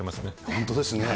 本当ですね。